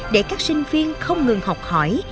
để các sinh viên không ngừng học hỏi